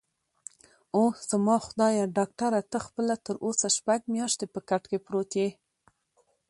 اووه، زما خدایه، ډاکټره ته خپله تراوسه شپږ میاشتې په کټ کې پروت یې؟